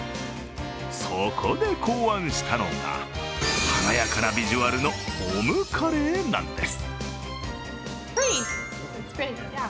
そこで考案したのが、華やかなビジュアルのオムカレーなんです。